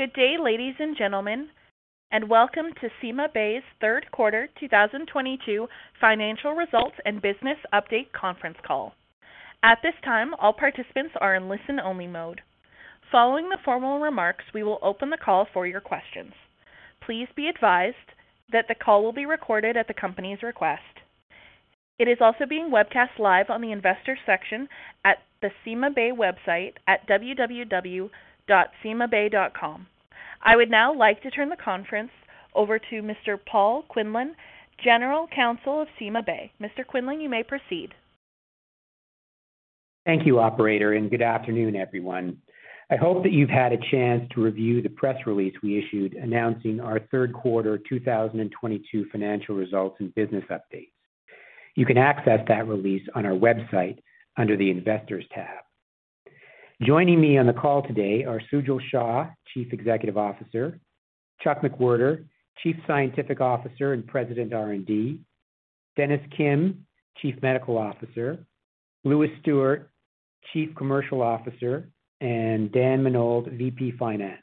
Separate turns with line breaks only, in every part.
Good day, ladies and gentlemen, and welcome to CymaBay's Q3 2022 financial results and business update conference call. At this time, all participants are in listen-only mode. Following the formal remarks, we will open the call for your questions. Please be advised that the call will be recorded at the company's request. It is also being webcast live on the investor section at the CymaBay website at www.cymabay.com. I would now like to turn the conference over to Mr. Paul Quinlan, General Counsel of CymaBay. Mr. Quinlan, you may proceed.
Thank you, operator, and good afternoon, everyone. I hope that you've had a chance to review the press release we issued announcing our Q3 2022 financial results and business updates. You can access that release on our website under the Investors tab. Joining me on the call today are Sujal Shah, Chief Executive Officer, Chuck McWherter, Chief Scientific Officer and President, R&D, Dennis Kim, Chief Medical Officer, Lewis Stuart, Chief Commercial Officer, and Dan Menold, VP Finance.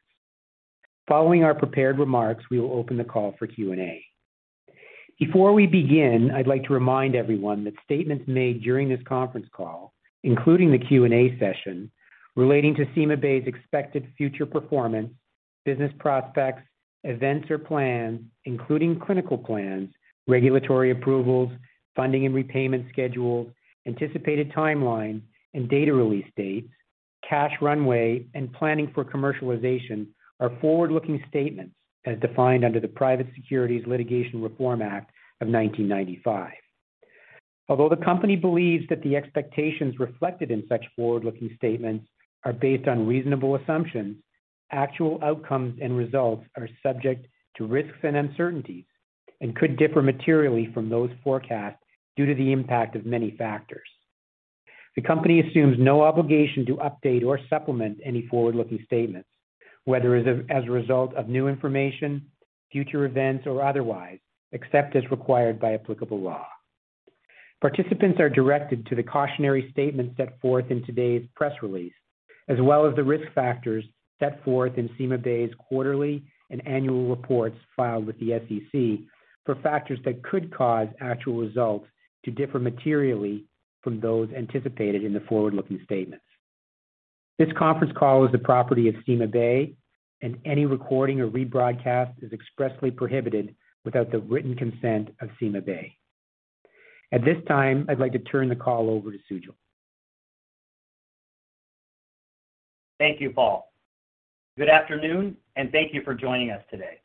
Following our prepared remarks, we will open the call for Q&A. Before we begin, I'd like to remind everyone that statements made during this conference call, including the Q&A session relating to CymaBay's expected future performance, business prospects, events or plans, including clinical plans, regulatory approvals, funding and repayment schedules, anticipated timeline and data release dates, cash runway, and planning for commercialization are forward-looking statements as defined under the Private Securities Litigation Reform Act of 1995. Although the company believes that the expectations reflected in such forward-looking statements are based on reasonable assumptions, actual outcomes and results are subject to risks and uncertainties and could differ materially from those forecasts due to the impact of many factors. The company assumes no obligation to update or supplement any forward-looking statements, whether as a result of new information, future events, or otherwise, except as required by applicable law. Participants are directed to the cautionary statements set forth in today's press release, as well as the risk factors set forth in Q4 and annual reports filed with the SEC for factors that could cause actual results to differ materially from those anticipated in the forward-looking statements. This conference call is the property of CymaBay, and any recording or rebroadcast is expressly prohibited without the written consent of CymaBay. At this time, I'd like to turn the call over to Sujal.
Thank you, Paul. Good afternoon, and thank you for joining us today.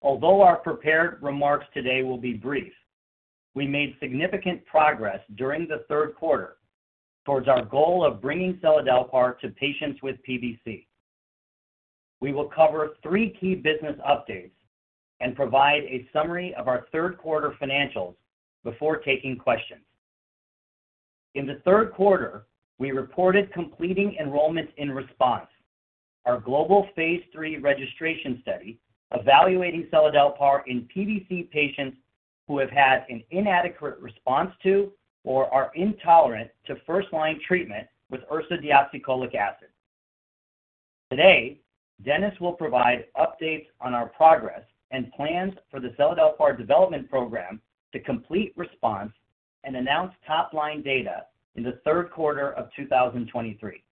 Although our prepared remarks today will be brief, we made significant progress during the Q3 towards our goal of bringing seladelpar to patients with PBC. We will cover three key business updates and provide a summary of our Q3 financials before taking questions. In the Q3, we reported completing enrollments in RESPONSE, our global phase 3 registration study evaluating seladelpar in PBC patients who have had an inadequate response to or are intolerant to first-line treatment with ursodeoxycholic acid. Today, Dennis will provide updates on our progress and plans for the seladelpar development program to complete RESPONSE and announce top-line data in the Q3 of 2023.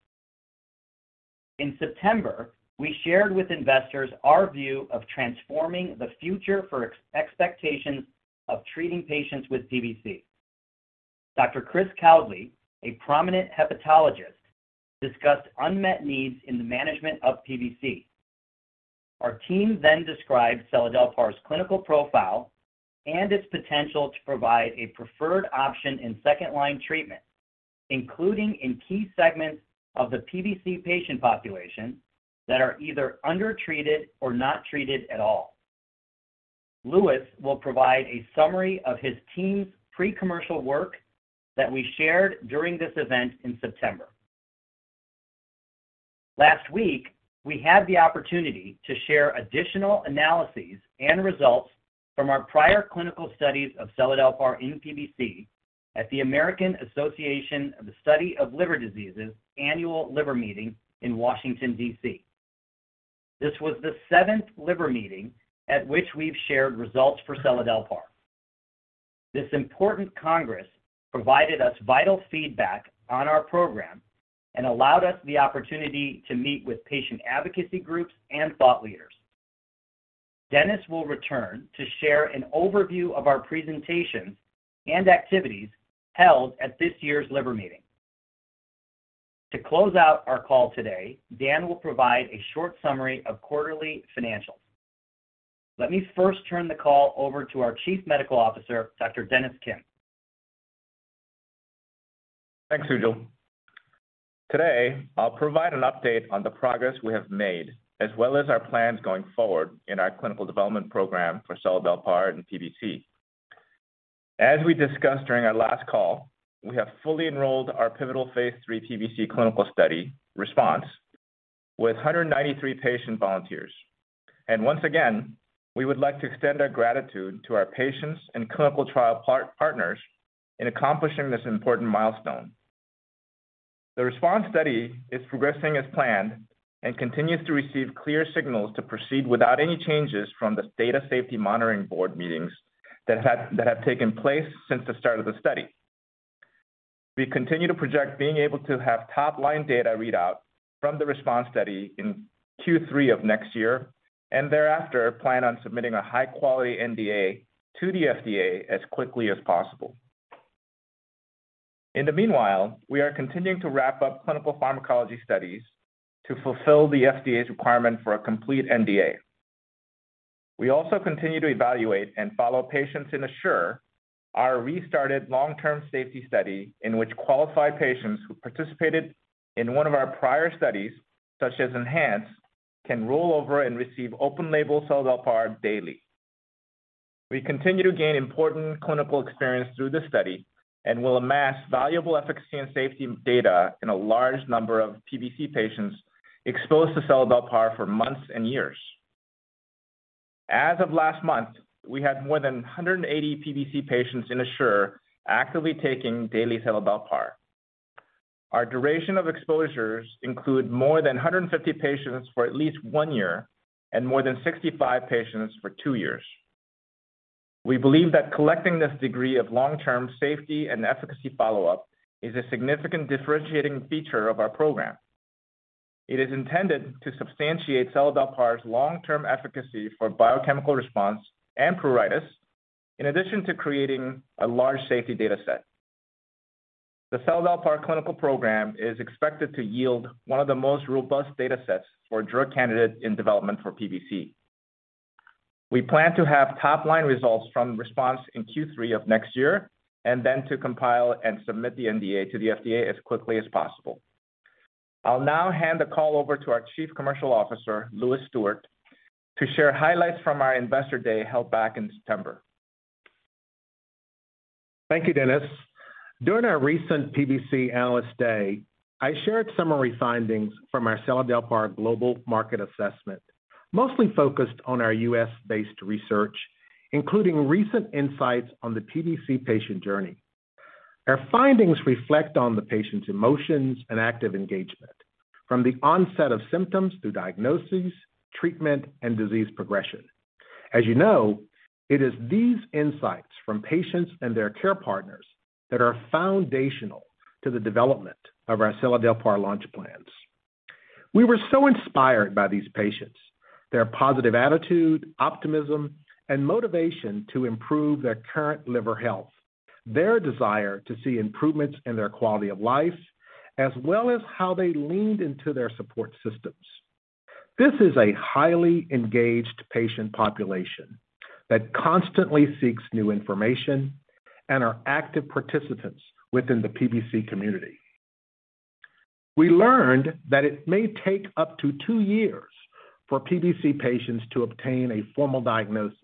In September, we shared with investors our view of transforming the future for exceeding expectations of treating patients with PBC. Dr. Christopher Bowlus, a prominent hepatologist, discussed unmet needs in the management of PBC. Our team then described seladelpar's clinical profile and its potential to provide a preferred option in second-line treatment, including in key segments of the PBC patient population that are either undertreated or not treated at all. Lewis will provide a summary of his team's pre-commercial work that we shared during this event in September. Last week, we had the opportunity to share additional analyses and results from our prior clinical studies of seladelpar in PBC at the American Association for the Study of Liver Diseases annual liver meeting in Washington, D.C. This was the seventh liver meeting at which we've shared results for seladelpar. This important congress provided us vital feedback on our program and allowed us the opportunity to meet with patient advocacy groups and thought leaders. Dennis will return to share an overview of our presentations and activities held at this year's liver meeting. To close out our call today, Dan will provide a short summary of quarterly financials. Let me first turn the call over to our Chief Medical Officer, Dr. Dennis Kim.
Thanks, Sujal. Today, I'll provide an update on the progress we have made as well as our plans going forward in our clinical development program for seladelpar in PBC. As we discussed during our last call, we have fully enrolled our pivotal phase three PBC clinical study, RESPONSE, with 193 patient volunteers. Once again, we would like to extend our gratitude to our patients and clinical trial partners in accomplishing this important milestone. The RESPONSE study is progressing as planned and continues to receive clear signals to proceed without any changes from the Data Safety Monitoring Board meetings that have taken place since the start of the study. We continue to project being able to have top-line data readout from the RESPONSE study in Q3 of next year and thereafter plan on submitting a high-quality NDA to the FDA as quickly as possible. In the meanwhile, we are continuing to wrap up clinical pharmacology studies to fulfill the FDA's requirement for a complete NDA. We also continue to evaluate and follow patients in ASSURE, our restarted long-term safety study in which qualified patients who participated in one of our prior studies, such as ENHANCE, can roll over and receive open label seladelpar daily. We continue to gain important clinical experience through this study and will amass valuable efficacy and safety data in a large number of PBC patients exposed to seladelpar for months and years. As of last month, we had more than 180 PBC patients in ASSURE actively taking daily seladelpar. Our duration of exposures include more than 150 patients for at least one year and more than 65 patients for two years. We believe that collecting this degree of long-term safety and efficacy follow-up is a significant differentiating feature of our program. It is intended to substantiate seladelpar's long-term efficacy for biochemical response and pruritus in addition to creating a large safety data set. The seladelpar clinical program is expected to yield one of the most robust data sets for drug candidates in development for PBC. We plan to have top-line results from RESPONSE in Q3 of next year and then to compile and submit the NDA to the FDA as quickly as possible. I'll now hand the call over to our Chief Commercial Officer, Lewis Stuart, to share highlights from our Investor Day held back in September.
Thank you, Dennis. During our recent PBC Analyst Day, I shared summary findings from our seladelpar global market assessment, mostly focused on our U.S.-based research, including recent insights on the PBC patient journey. Our findings reflect on the patient's emotions and active engagement from the onset of symptoms through diagnosis, treatment, and disease progression. As you know, it is these insights from patients and their care partners that are foundational to the development of our seladelpar launch plans. We were so inspired by these patients, their positive attitude, optimism, and motivation to improve their current liver health, their desire to see improvements in their quality of life, as well as how they leaned into their support systems. This is a highly engaged patient population that constantly seeks new information and are active participants within the PBC community. We learned that it may take up to two years for PBC patients to obtain a formal diagnosis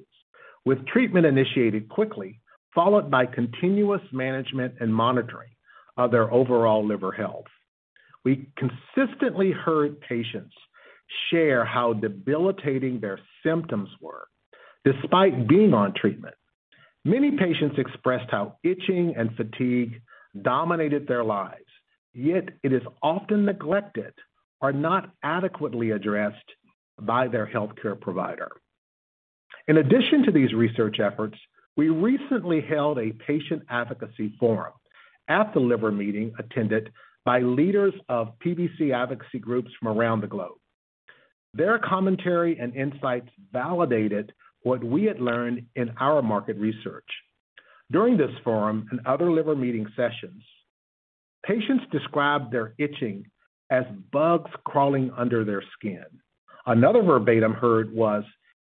with treatment initiated quickly, followed by continuous management and monitoring of their overall liver health. We consistently heard patients share how debilitating their symptoms were despite being on treatment. Many patients expressed how itching and fatigue dominated their lives, yet it is often neglected or not adequately addressed by their healthcare provider. In addition to these research efforts, we recently held a patient advocacy forum at the Liver Meeting attended by leaders of PBC advocacy groups from around the globe. Their commentary and insights validated what we had learned in our market research. During this forum and other Liver Meeting sessions, patients described their itching as bugs crawling under their skin. Another verbatim heard was,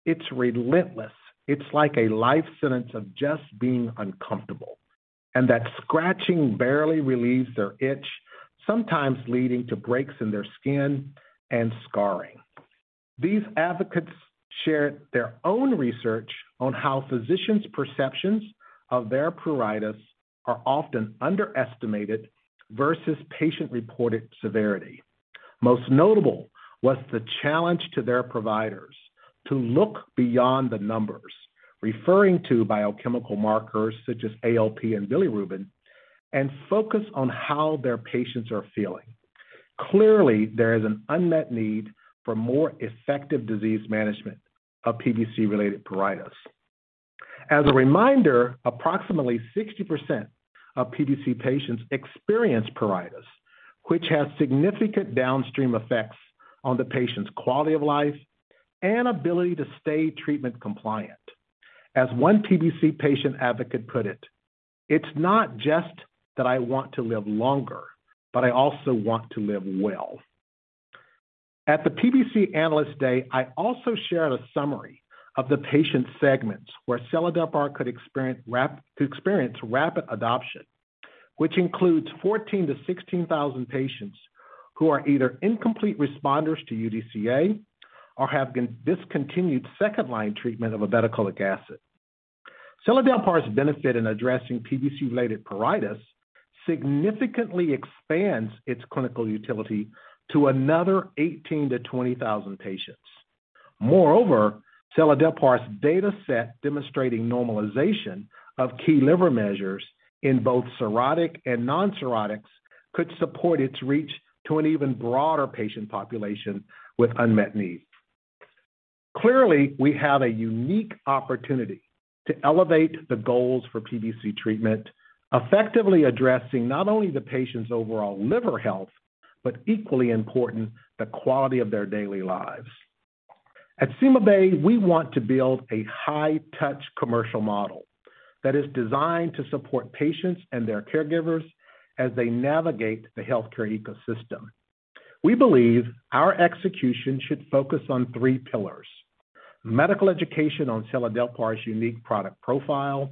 "It's relentless. It's like a life sentence of just being uncomfortable," and that scratching barely relieves their itch, sometimes leading to breaks in their skin and scarring. These advocates shared their own research on how physicians' perceptions of their pruritus are often underestimated versus patient-reported severity. Most notable was the challenge to their providers to look beyond the numbers, referring to biochemical markers such as ALP and bilirubin, and focus on how their patients are feeling. Clearly, there is an unmet need for more effective disease management of PBC-related pruritus. As a reminder, approximately 60% of PBC patients experience pruritus, which has significant downstream effects on the patient's quality of life and ability to stay treatment compliant. As one PBC patient advocate put it, "It's not just that I want to live longer, but I also want to live well." At the PBC Analyst Day, I also shared a summary of the patient segments where seladelpar could experience rapid adoption, which includes 14,000-16,000 patients who are either incomplete responders to UDCA or have been discontinued second-line treatment of obeticholic acid. Seladelpar's benefit in addressing PBC-related pruritus significantly expands its clinical utility to another 18,000-20,000 patients. Moreover, seladelpar's dataset demonstrating normalization of key liver measures in both cirrhotic and non-cirrhotics could support its reach to an even broader patient population with unmet needs. Clearly, we have a unique opportunity to elevate the goals for PBC treatment, effectively addressing not only the patient's overall liver health, but equally important, the quality of their daily lives. At CymaBay, we want to build a high-touch commercial model that is designed to support patients and their caregivers as they navigate the healthcare ecosystem. We believe our execution should focus on three pillars, medical education on seladelpar's unique product profile,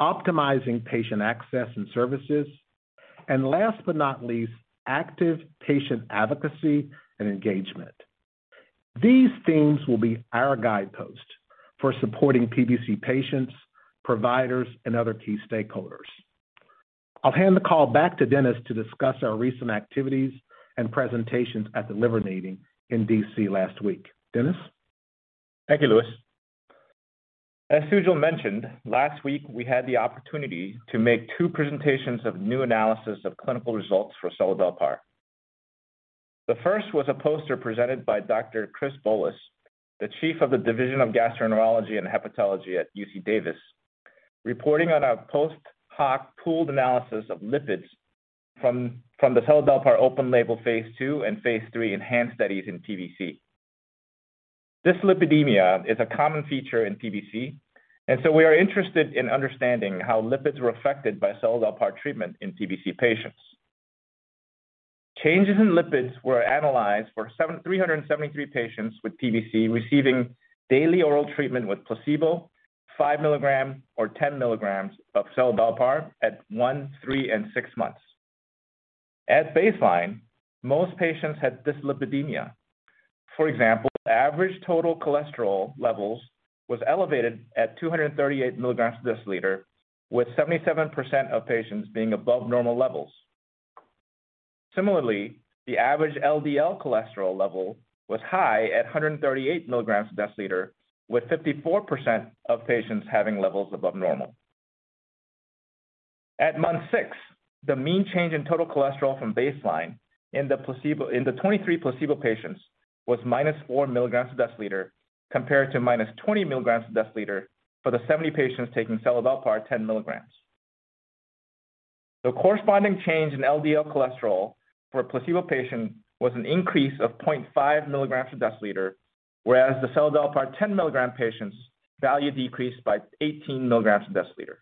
optimizing patient access and services, and last but not least, active patient advocacy and engagement. These themes will be our guideposts for supporting PBC patients, providers, and other key stakeholders. I'll hand the call back to Dennis to discuss our recent activities and presentations at the liver meeting in D.C. last week. Dennis?
Thank you, Lewis. As Sujal mentioned, last week we had the opportunity to make two presentations of new analysis of clinical results for seladelpar. The first was a poster presented by Dr. Christopher Bowlus, the Chief of the Division of Gastroenterology and Hepatology at UC Davis, reporting on a post hoc pooled analysis of lipids from the seladelpar open-label phase 2 and phase 3 ENHANCE studies in PBC. Dyslipidemia is a common feature in PBC, and so we are interested in understanding how lipids were affected by seladelpar treatment in PBC patients. Changes in lipids were analyzed for 373 patients with PBC receiving daily oral treatment with placebo, 5 mg, or 10 mg of seladelpar at 1, 3, and 6 months. At baseline, most patients had dyslipidemia. For example, average total cholesterol levels was elevated at 238 milligrams per deciliter, with 77% of patients being above normal levels. Similarly, the average LDL cholesterol level was high at 138 milligrams per deciliter, with 54% of patients having levels above normal. At month 6, the mean change in total cholesterol from baseline in the 23 placebo patients was -4 milligrams per deciliter compared to -20 milligrams per deciliter for the 70 patients taking seladelpar 10 milligrams. The corresponding change in LDL cholesterol for a placebo patient was an increase of 0.5 milligrams per deciliter, whereas the seladelpar 10-milligram patients' value decreased by 18 milligrams per deciliter.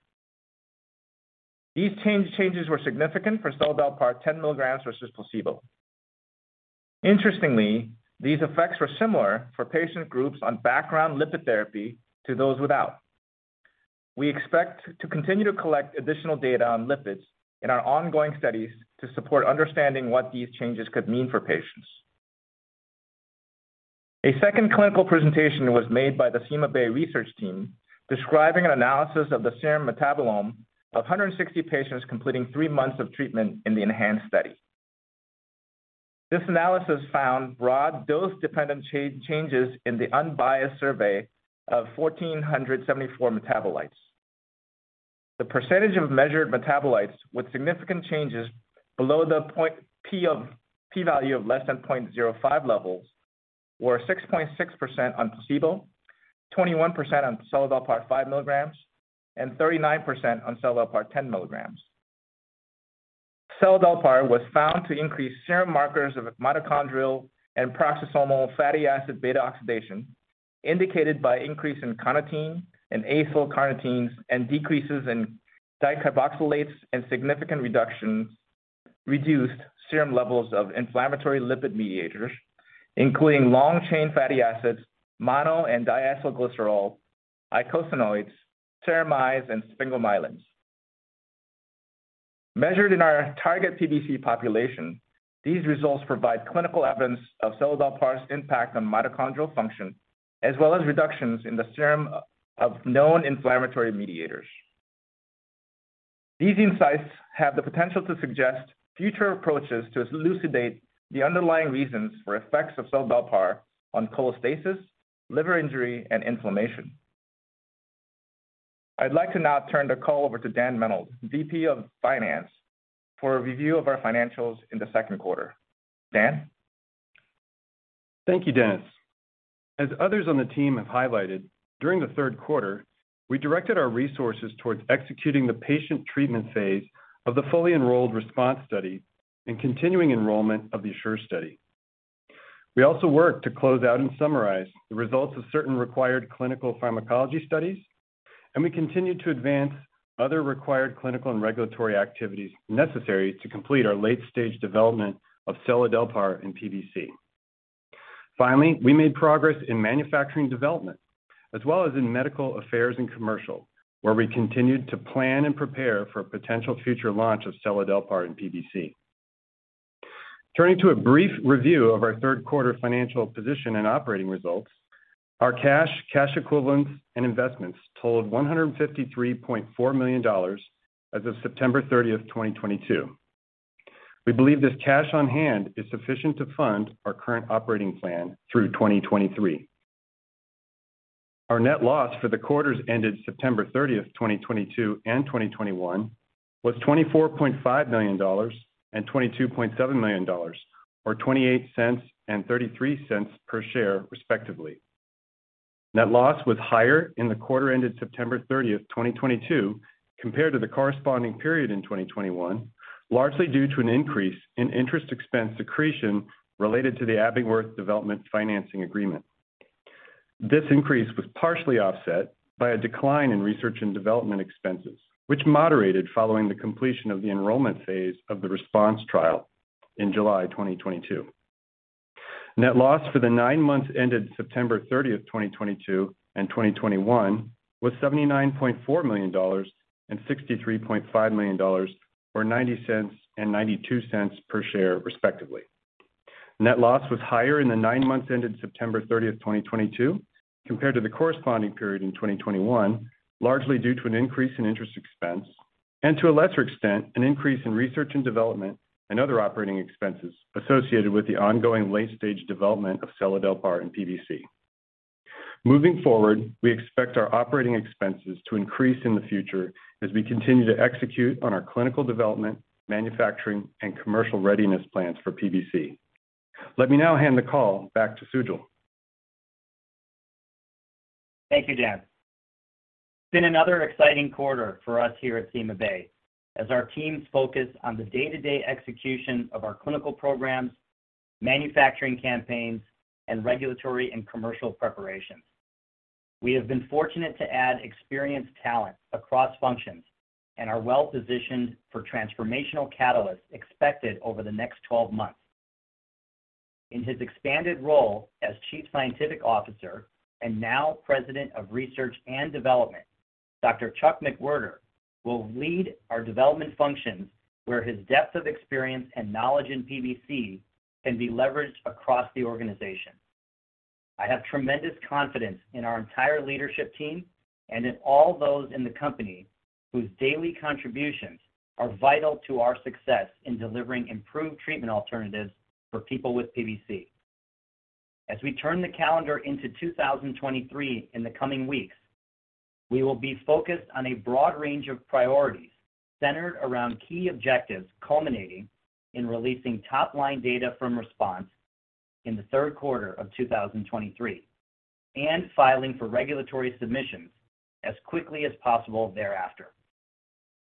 These changes were significant for seladelpar 10 milligrams versus placebo. Interestingly, these effects were similar for patient groups on background lipid therapy to those without. We expect to continue to collect additional data on lipids in our ongoing studies to support understanding what these changes could mean for patients. A second clinical presentation was made by the CymaBay research team describing an analysis of the serum metabolome of 160 patients completing three months of treatment in the ENHANCE study. This analysis found broad dose-dependent changes in the unbiased survey of 1,474 metabolites. The percentage of measured metabolites with significant changes below the p-value of less than 0.05 levels were 6.6% on placebo, 21% on seladelpar 5 milligrams, and 39% on seladelpar 10 milligrams. Seladelpar was found to increase serum markers of mitochondrial and peroxisomal fatty acid beta-oxidation, indicated by increase in carnitine and acylcarnitines, and decreases in dicarboxylates, and significant reductions in serum levels of inflammatory lipid mediators, including long-chain fatty acids, mono- and diacylglycerol, eicosanoids, ceramides, and sphingomyelin. Measured in our target PBC population, these results provide clinical evidence of seladelpar's impact on mitochondrial function, as well as reductions in the serum of known inflammatory mediators. These insights have the potential to suggest future approaches to elucidate the underlying reasons for effects of seladelpar on cholestasis, liver injury, and inflammation. I'd like to now turn the call over to Dan Menold, VP, Finance, for a review of our financials in the Q2. Dan?
Thank you, Dennis. As others on the team have highlighted, during the Q3, we directed our resources towards executing the patient treatment phase of the fully enrolled RESPONSE study and continuing enrollment of the ASSURE study. We also worked to close out and summarize the results of certain required clinical pharmacology studies, and we continued to advance other required clinical and regulatory activities necessary to complete our late-stage development of seladelpar in PBC. Finally, we made progress in manufacturing development, as well as in medical affairs and commercial, where we continued to plan and prepare for a potential future launch of seladelpar in PBC. Turning to a brief review of our Q3 financial position and operating results, our cash equivalents, and investments totaled $153.4 million as of September 30, 2022. We believe this cash on hand is sufficient to fund our current operating plan through 2023. Our net loss for the quarters ended September 30, 2022 and 2021 was $24.5 million and $22.7 million, or $0.28 and $0.33 per share, respectively. Net loss was higher in the quarter ended September 30, 2022 compared to the corresponding period in 2021, largely due to an increase in interest expense accretion related to the Oberland Capital financing agreement. This increase was partially offset by a decline in research and development expenses, which moderated following the completion of the enrollment phase of the RESPONSE trial in July 2022. Net loss for the nine months ended September 30, 2022 and 2021 was $79.4 million and $63.5 million, or $0.90 and $0.92 per share, respectively. Net loss was higher in the nine months ended September 30, 2022 compared to the corresponding period in 2021, largely due to an increase in interest expense and, to a lesser extent, an increase in research and development and other operating expenses associated with the ongoing late-stage development of seladelpar in PBC. Moving forward, we expect our operating expenses to increase in the future as we continue to execute on our clinical development, manufacturing, and commercial readiness plans for PBC. Let me now hand the call back to Sujal.
Thank you, Dan. It's been another exciting quarter for us here at CymaBay as our teams focus on the day-to-day execution of our clinical programs, manufacturing campaigns, and regulatory and commercial preparations. We have been fortunate to add experienced talent across functions and are well-positioned for transformational catalysts expected over the next 12 months. In his expanded role as Chief Scientific Officer, and now President of Research and Development, Dr. Charles McWherter will lead our development functions where his depth of experience and knowledge in PBC can be leveraged across the organization. I have tremendous confidence in our entire leadership team and in all those in the company whose daily contributions are vital to our success in delivering improved treatment alternatives for people with PBC. As we turn the calendar into 2023 in the coming weeks, we will be focused on a broad range of priorities centered around key objectives culminating in releasing top-line data from RESPONSE in the Q3 of 2023 and filing for regulatory submissions as quickly as possible thereafter.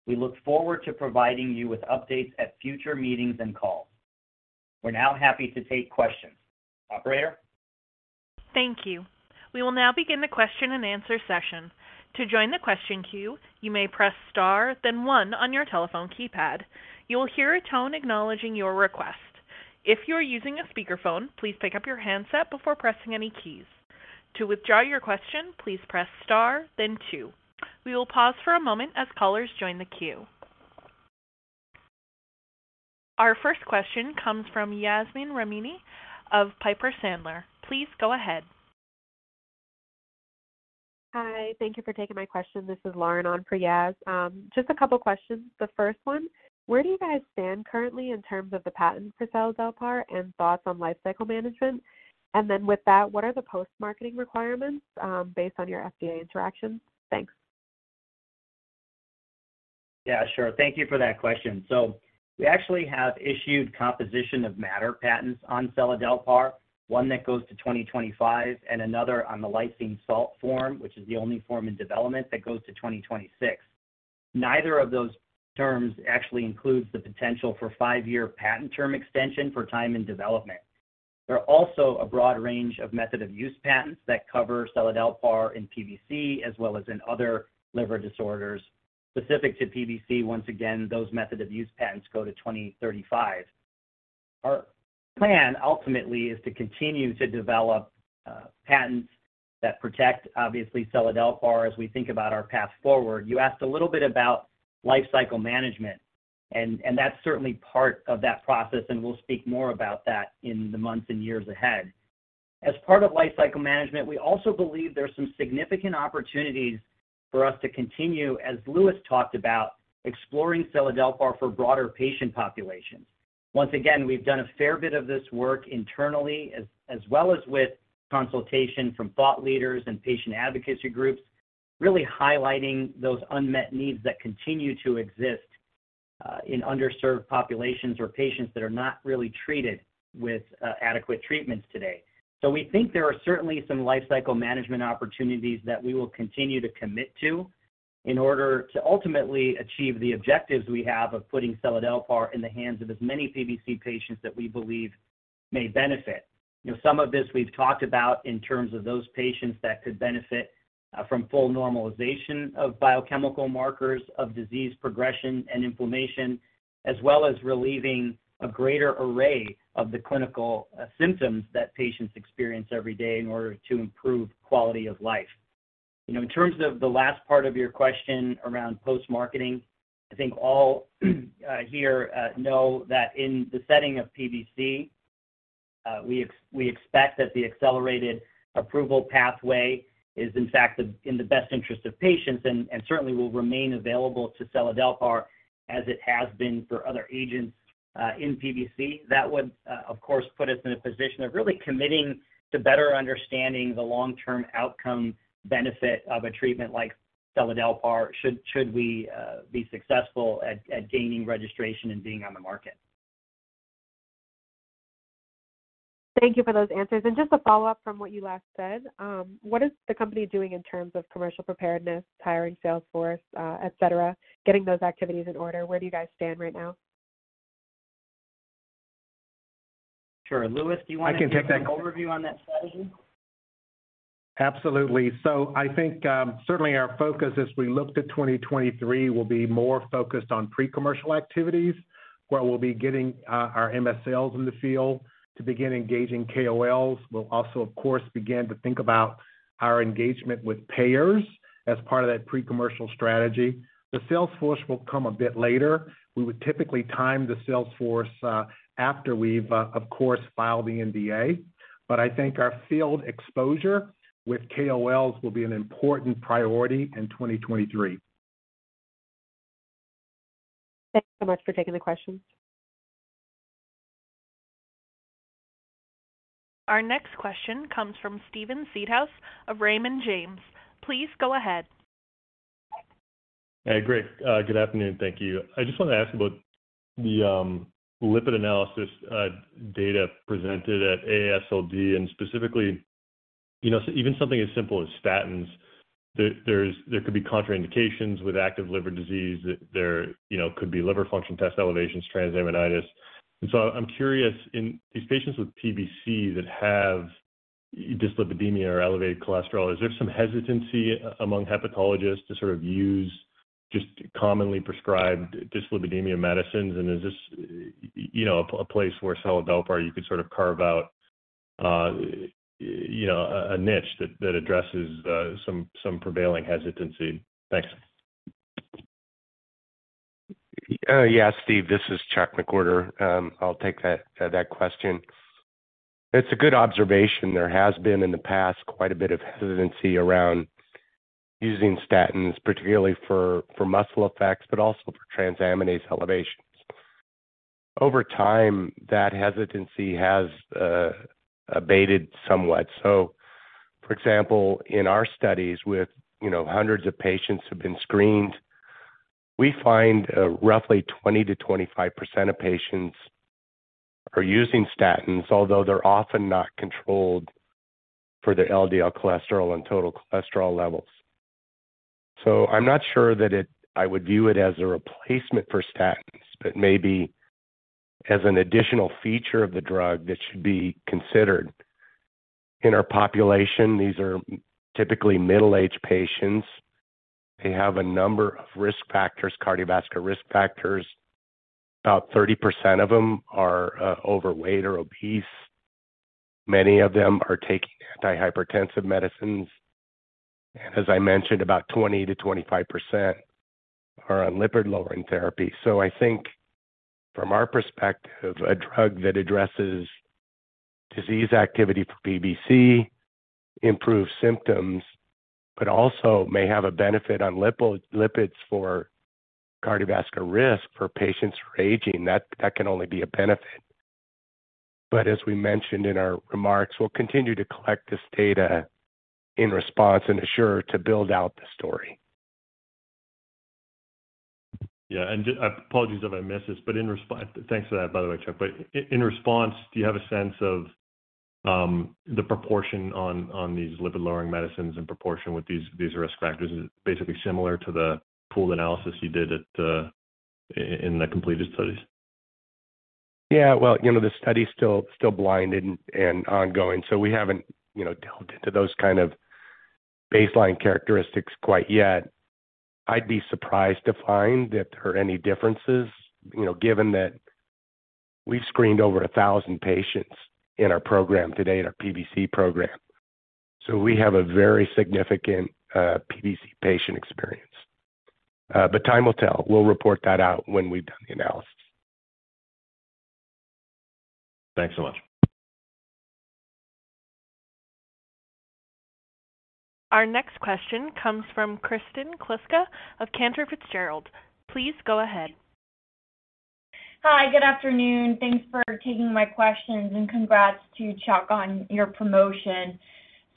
We look forward to providing you with updates at future meetings and calls. We're now happy to take questions. Operator?
Thank you. We will now begin the question-and-answer session. To join the question queue, you may press star then one on your telephone keypad. You will hear a tone acknowledging your request. If you are using a speakerphone, please pick up your handset before pressing any keys. To withdraw your question, please press star then two. We will pause for a moment as callers join the queue. Our first question comes from Yasmeen Rahimi of Piper Sandler. Please go ahead.
Hi. Thank you for taking my question. This is Lauren on for Yasmeen. Just a couple questions. The first one, where do you guys stand currently in terms of the patent for seladelpar and thoughts on lifecycle management? With that, what are the post-marketing requirements, based on your FDA interactions? Thanks.
Yeah, sure. Thank you for that question. We actually have issued composition of matter patents on seladelpar, one that goes to 2025 and another on the lysine salt form, which is the only form in development that goes to 2026. Neither of those terms actually includes the potential for 5-year patent term extension for time and development. There are also a broad range of method of use patents that cover seladelpar in PBC as well as in other liver disorders specific to PBC. Once again, those method of use patents go to 2035. Our plan ultimately is to continue to develop patents that protect, obviously, seladelpar as we think about our path forward. You asked a little bit about lifecycle management and that's certainly part of that process, and we'll speak more about that in the months and years ahead. As part of lifecycle management, we also believe there's some significant opportunities for us to continue, as Lewis talked about, exploring seladelpar for broader patient populations. Once again, we've done a fair bit of this work internally as well as with consultation from thought leaders and patient advocacy groups, really highlighting those unmet needs that continue to exist in underserved populations or patients that are not really treated with adequate treatments today. We think there are certainly some lifecycle management opportunities that we will continue to commit to in order to ultimately achieve the objectives we have of putting seladelpar in the hands of as many PBC patients that we believe may benefit. You know, some of this we've talked about in terms of those patients that could benefit from full normalization of biochemical markers of disease progression and inflammation, as well as relieving a greater array of the clinical symptoms that patients experience every day in order to improve quality of life. You know, in terms of the last part of your question around post-marketing, I think all here know that in the setting of PBC. We expect that the accelerated approval pathway is in fact in the best interest of patients and certainly will remain available to seladelpar as it has been for other agents in PBC. That would of course put us in a position of really committing to better understanding the long-term outcome benefit of a treatment like seladelpar, should we be successful at gaining registration and being on the market.
Thank you for those answers. Just a follow-up from what you last said, what is the company doing in terms of commercial preparedness, hiring sales force, et cetera, getting those activities in order? Where do you guys stand right now?
Sure. Lewis, do you wanna.
I can take that.
give an overview on that strategy?
Absolutely. I think certainly our focus as we look to 2023 will be more focused on pre-commercial activities, where we'll be getting our MSLs in the field to begin engaging KOLs. We'll also, of course, begin to think about our engagement with payers as part of that pre-commercial strategy. The sales force will come a bit later. We would typically time the sales force after we've of course filed the NDA. I think our field exposure with KOLs will be an important priority in 2023.
Thank you so much for taking the questions.
Our next question comes from Steven Seedhouse of Raymond James. Please go ahead.
Hey, great. Good afternoon. Thank you. I just wanted to ask about the lipid analysis data presented at AASLD and specifically, you know, even something as simple as statins. There's could be contraindications with active liver disease. There could be liver function test elevations, transaminitis. I'm curious, in these patients with PBC that have dyslipidemia or elevated cholesterol, is there some hesitancy among hepatologists to sort of use just commonly prescribed dyslipidemia medicines? And is this, you know, a place where seladelpar you could sort of carve out, you know, a niche that addresses some prevailing hesitancy? Thanks.
Yeah, Steve, this is Chuck McWherter. I'll take that question. It's a good observation. There has been in the past quite a bit of hesitancy around using statins, particularly for muscle effects, but also for transaminase elevations. Over time, that hesitancy has abated somewhat. For example, in our studies with, you know, hundreds of patients who've been screened, we find roughly 20-25% of patients are using statins, although they're often not controlled for their LDL cholesterol and total cholesterol levels. I'm not sure that it. I would view it as a replacement for statins, but maybe as an additional feature of the drug that should be considered. In our population, these are typically middle-aged patients. They have a number of risk factors, cardiovascular risk factors. About 30% of them are overweight or obese. Many of them are taking antihypertensive medicines. As I mentioned, about 20-25% are on lipid-lowering therapy. I think from our perspective, a drug that addresses disease activity for PBC, improves symptoms, but also may have a benefit on lipids for cardiovascular risk for patients who are aging, that can only be a benefit. As we mentioned in our remarks, we'll continue to collect this data in RESPONSE and ASSURE to build out the story.
Apologies if I missed this. Thanks for that, by the way, Chuck. In RESPONSE, do you have a sense of the proportion on these lipid-lowering medicines in proportion with these risk factors, basically similar to the pooled analysis you did in the completed studies?
Yeah. Well, you know, the study is still blinded and ongoing, so we haven't, you know, delved into those kind of baseline characteristics quite yet. I'd be surprised to find that there are any differences, you know, given that we've screened over 1,000 patients in our program today, in our PBC program. We have a very significant PBC patient experience. But time will tell. We'll report that out when we've done the analysis.
Thanks so much.
Our next question comes from Kristen Kluska of Cantor Fitzgerald. Please go ahead.
Hi. Good afternoon. Thanks for taking my questions, and congrats to Chuck on your promotion.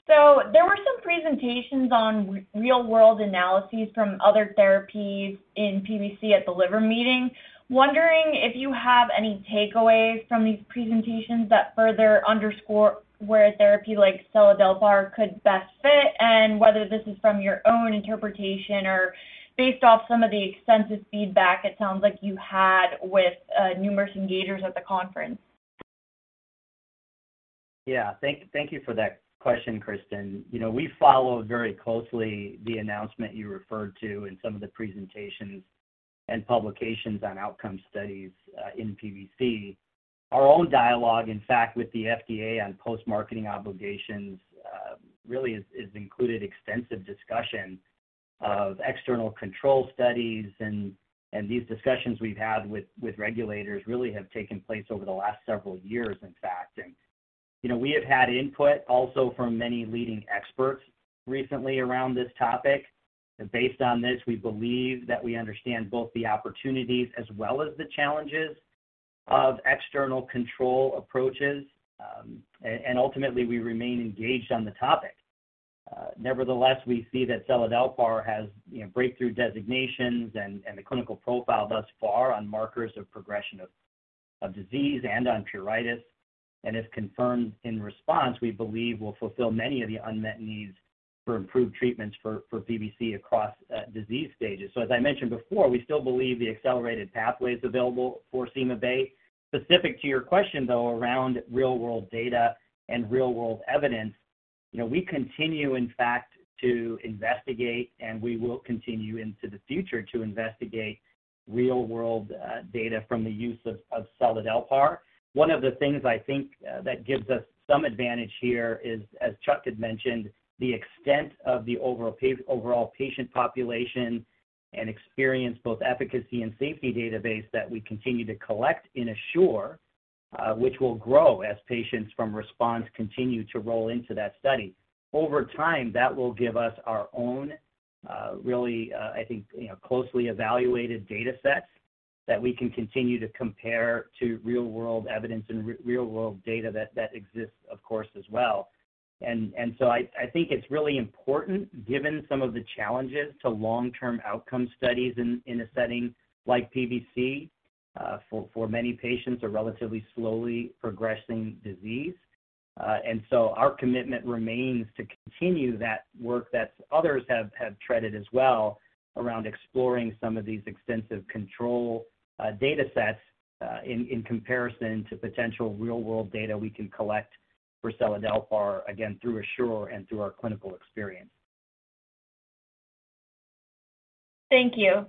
There were some presentations on real-world analyses from other therapies in PBC at the liver meeting. Wondering if you have any takeaways from these presentations that further underscore where a therapy like seladelpar could best fit, and whether this is from your own interpretation or based off some of the extensive feedback it sounds like you had with numerous engagers at the conference.
Yeah. Thank you for that question, Kristen. You know, we followed very closely the announcement you referred to in some of the presentations and publications on outcome studies in PBC. Our own dialogue, in fact, with the FDA on post-marketing obligations. Really has included extensive discussion of external control studies and these discussions we've had with regulators really have taken place over the last several years, in fact. You know, we have had input also from many leading experts recently around this topic. Based on this, we believe that we understand both the opportunities as well as the challenges of external control approaches. Ultimately, we remain engaged on the topic. Nevertheless, we see that seladelpar has, you know, breakthrough designations and the clinical profile thus far on markers of progression of disease and on pruritus. If confirmed in response, we believe will fulfill many of the unmet needs for improved treatments for PBC across disease stages. As I mentioned before, we still believe the accelerated pathway is available for seladelpar. Specific to your question, though, around real-world data and real-world evidence, you know, we continue, in fact, to investigate, and we will continue into the future to investigate real-world data from the use of seladelpar. One of the things I think that gives us some advantage here is, as Chuck had mentioned, the extent of the overall patient population and experience both efficacy and safety database that we continue to collect in ASSURE, which will grow as patients from RESPONSE continue to roll into that study. Over time, that will give us our own really I think, you know, closely evaluated data set that we can continue to compare to real-world evidence and real-world data that exists, of course, as well. I think it's really important, given some of the challenges to long-term outcome studies in a setting like PBC, for many patients, a relatively slowly progressing disease. Our commitment remains to continue that work that others have trod as well around exploring some of these extensive control data sets in comparison to potential real-world data we can collect for seladelpar, again, through ASSURE and through our clinical experience.
Thank you.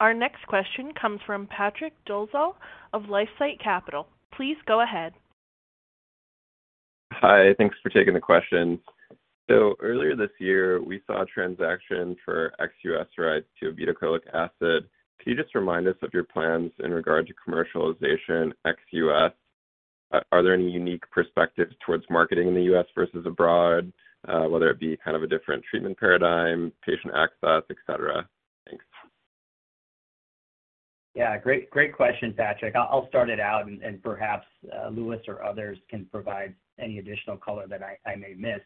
Our next question comes from Patrick Dolezal of LifeSci Capital. Please go ahead.
Hi. Thanks for taking the question. Earlier this year, we saw a transaction for ex-US rights to obeticholic acid. Can you just remind us of your plans in regard to commercialization ex-US? Are there any unique perspectives towards marketing in the US versus abroad, whether it be kind of a different treatment paradigm, patient access, et cetera? Thanks.
Yeah. Great question, Patrick. I'll start it out and perhaps Lewis or others can provide any additional color that I may miss.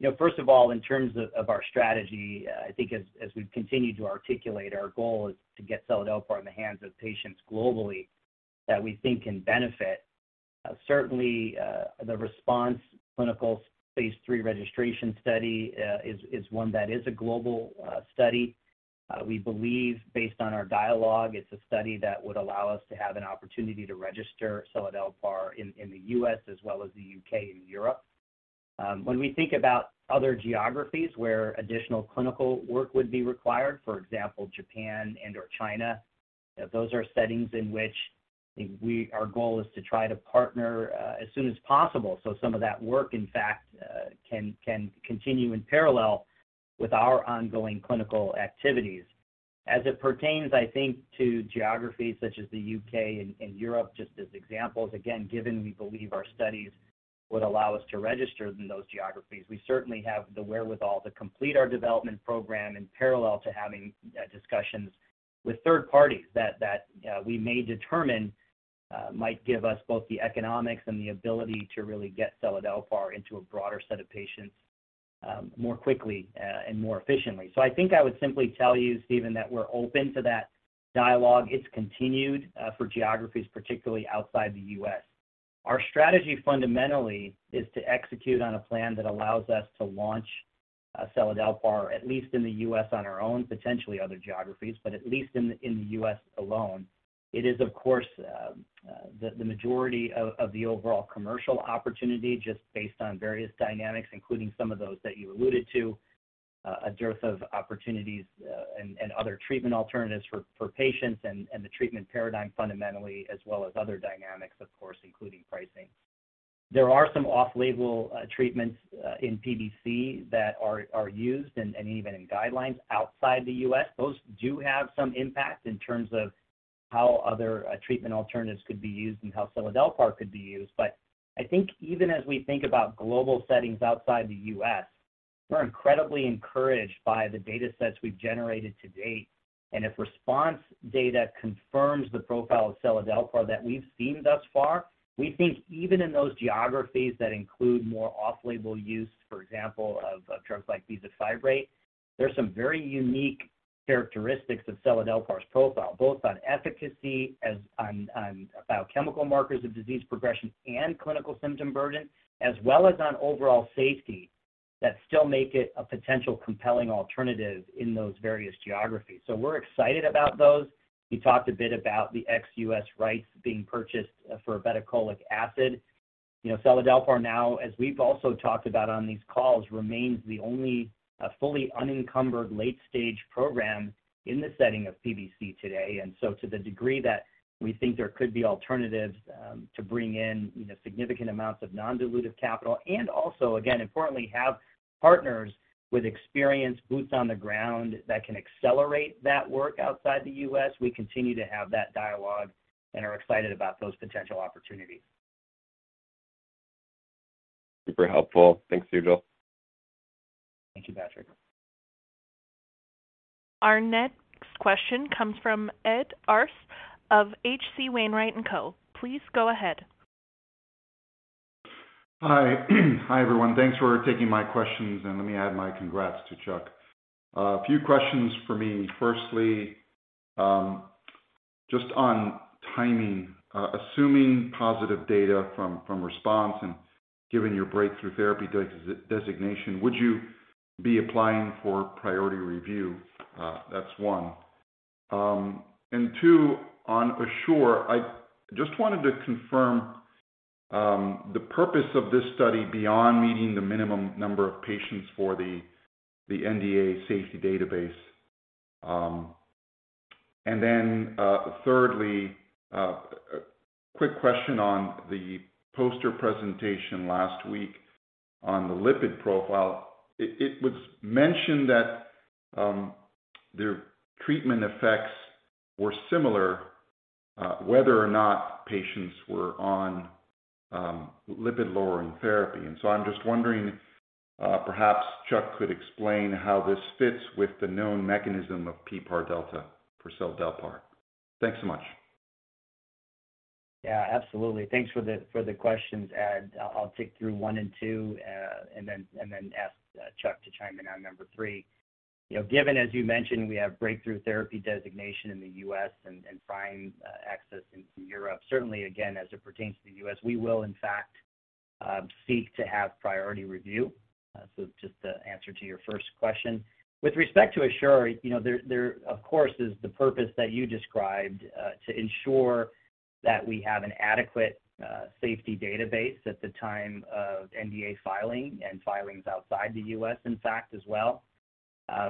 You know, first of all, in terms of our strategy, I think as we've continued to articulate our goal is to get seladelpar in the hands of patients globally that we think can benefit. Certainly, the RESPONSE clinical phase 3 registration study is one that is a global study. We believe based on our dialogue, it's a study that would allow us to have an opportunity to register seladelpar in the U.S. as well as the U.K. and Europe. When we think about other geographies where additional clinical work would be required, for example, Japan and/or China, those are settings in which our goal is to try to partner as soon as possible so some of that work, in fact, can continue in parallel with our ongoing clinical activities. As it pertains, I think, to geographies such as the UK and Europe, just as examples, again, given we believe our studies would allow us to register in those geographies, we certainly have the wherewithal to complete our development program in parallel to having discussions with third parties that we may determine might give us both the economics and the ability to really get seladelpar into a broader set of patients more quickly and more efficiently. I think I would simply tell you, Steven, that we're open to that dialogue. It's continued for geographies, particularly outside the U.S. Our strategy fundamentally is to execute on a plan that allows us to launch seladelpar at least in the U.S. on our own, potentially other geographies, but at least in the U.S. alone. It is, of course, the majority of the overall commercial opportunity just based on various dynamics, including some of those that you alluded to, a dearth of opportunities, and other treatment alternatives for patients and the treatment paradigm fundamentally, as well as other dynamics, of course, including pricing. There are some off-label treatments in PBC that are used and even in guidelines outside the U.S. Those do have some impact in terms of how other treatment alternatives could be used and how seladelpar could be used. I think even as we think about global settings outside the US, we're incredibly encouraged by the data sets we've generated to date. If RESPONSE data confirms the profile of seladelpar that we've seen thus far, we think even in those geographies that include more off-label use, for example, of drugs like bezafibrate, there's some very unique characteristics of seladelpar's profile, both on efficacy as on biochemical markers of disease progression and clinical symptom burden, as well as on overall safety that still make it a potential compelling alternative in those various geographies. We're excited about those. You talked a bit about the ex-US rights being purchased for obeticholic acid. You know, seladelpar now, as we've also talked about on these calls, remains the only fully unencumbered late-stage program in the setting of PBC today. To the degree that we think there could be alternatives to bring in, you know, significant amounts of non-dilutive capital and also, again, importantly, have partners with experience, boots on the ground that can accelerate that work outside the U.S., we continue to have that dialogue and are excited about those potential opportunities.
Super helpful. Thanks, Sujal.
Thank you, Patrick.
Our next question comes from Ed Arce of H.C. Wainwright & Co. Please go ahead.
Hi, everyone. Thanks for taking my questions, and let me add my congrats to Chuck. A few questions for me. Firstly, just on timing. Assuming positive data from RESPONSE and given your breakthrough therapy designation, would you be applying for priority review? That's one. Two, on ASSURE, I just wanted to confirm the purpose of this study beyond meeting the minimum number of patients for the NDA safety database. Then, thirdly, a quick question on the poster presentation last week on the lipid profile. It was mentioned that their treatment effects were similar whether or not patients were on lipid-lowering therapy. I'm just wondering, perhaps Chuck could explain how this fits with the known mechanism of PPAR delta for seladelpar. Thanks so much.
Yeah, absolutely. Thanks for the questions, Ed. I'll tick through one and two, and then ask Chuck to chime in on number three. You know, given, as you mentioned, we have breakthrough therapy designation in the U.S. and prime access into Europe, certainly again, as it pertains to the U.S., we will in fact seek to have priority review. So just to answer to your first question. With respect to ASSURE, you know, there of course is the purpose that you described to ensure that we have an adequate safety database at the time of NDA filing and filings outside the U.S., in fact, as well.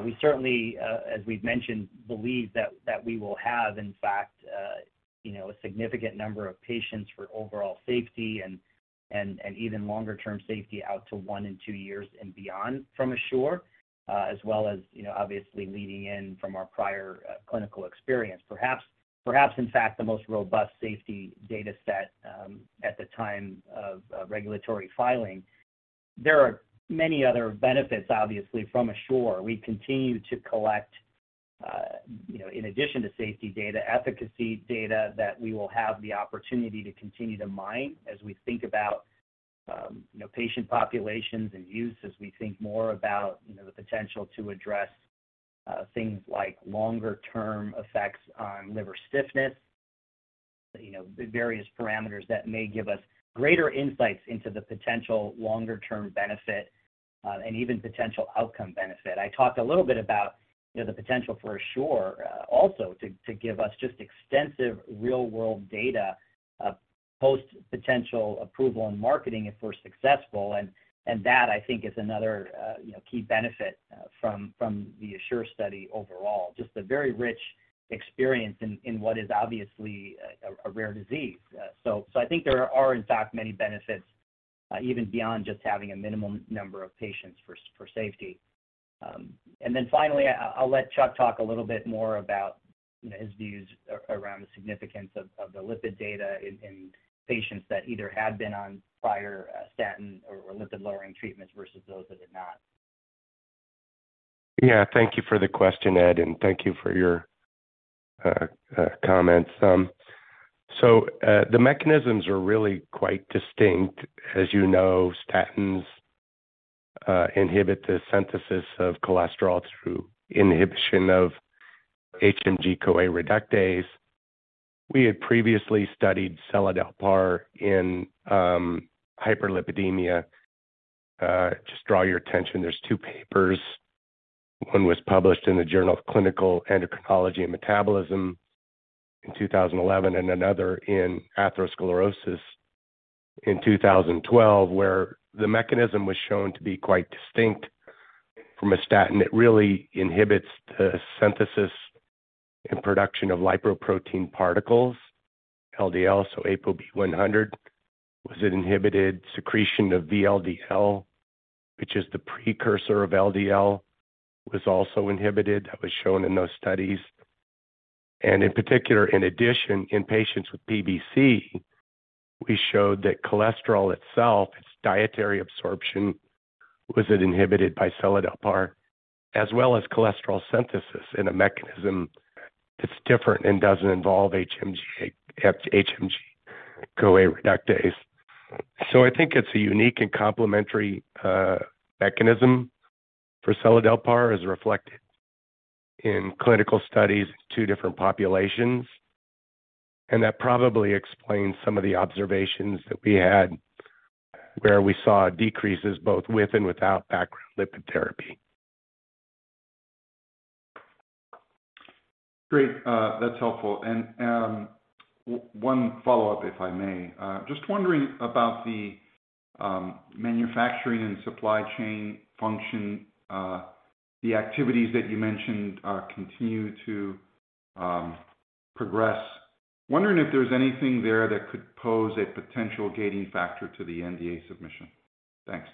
We certainly, as we've mentioned, believe that we will have, in fact, you know, a significant number of patients for overall safety and even longer-term safety out to one and two years and beyond from ASSURE, as well as, you know, obviously leading in from our prior clinical experience. Perhaps in fact the most robust safety data set at the time of regulatory filing. There are many other benefits, obviously, from ASSURE. We continue to collect, you know, in addition to safety data, efficacy data that we will have the opportunity to continue to mine as we think about, you know, patient populations and use as we think more about, you know, the potential to address things like longer-term effects on liver stiffness. You know, the various parameters that may give us greater insights into the potential longer-term benefit, and even potential outcome benefit. I talked a little bit about, you know, the potential for ASSURE also to give us just extensive real-world data of post-approval and marketing if we're successful and that I think is another, you know, key benefit from the ASSURE study overall. Just a very rich experience in what is obviously a rare disease. So I think there are in fact many benefits, even beyond just having a minimum number of patients for safety. Finally, I'll let Chuck talk a little bit more about his views around the significance of the lipid data in patients that either had been on prior statin or lipid-lowering treatments versus those that had not.
Yeah. Thank you for the question, Ed, and thank you for your comments. The mechanisms are really quite distinct. As you know, statins inhibit the synthesis of cholesterol through inhibition of HMG-CoA reductase. We had previously studied seladelpar in hyperlipidemia. Just draw your attention, there's two papers. One was published in the Journal of Clinical Endocrinology and Metabolism in 2011 and another in Atherosclerosis in 2012, where the mechanism was shown to be quite distinct from a statin. It really inhibits the synthesis and production of lipoprotein particles, LDL, so ApoB-100 was inhibited. Secretion of VLDL, which is the precursor of LDL, was also inhibited. That was shown in those studies. In particular, in addition, in patients with PBC, we showed that cholesterol itself, its dietary absorption, was inhibited by seladelpar, as well as cholesterol synthesis in a mechanism that's different and doesn't involve HMG-CoA reductase. I think it's a unique and complementary mechanism for seladelpar as reflected in clinical studies, two different populations. That probably explains some of the observations that we had where we saw decreases both with and without background lipid therapy.
Great. That's helpful. One follow-up, if I may. Just wondering about the manufacturing and supply chain function, the activities that you mentioned continue to progress. Wondering if there's anything there that could pose a potential gating factor to the NDA submission. Thanks.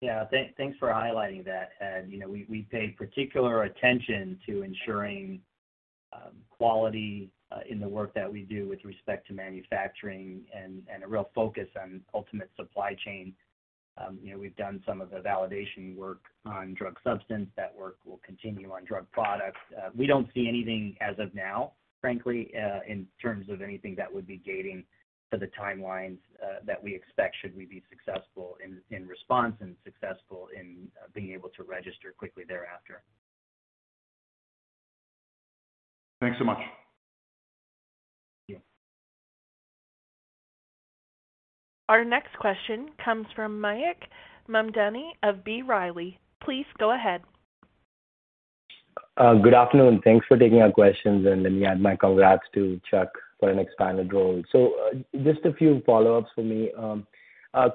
Yeah. Thanks for highlighting that, Ed. You know, we pay particular attention to ensuring quality in the work that we do with respect to manufacturing and a real focus on ultimate supply chain. You know, we've done some of the validation work on drug substance. That work will continue on drug products. We don't see anything as of now, frankly, in terms of anything that would be gating to the timelines that we expect should we be successful in response and successful in being able to register quickly thereafter.
Thanks so much.
Yeah.
Our next question comes from Mayank Mamtani of B. Riley. Please go ahead.
Good afternoon. Thanks for taking our questions. Yeah, my congrats to Chuck for an expanded role. Just a few follow-ups for me.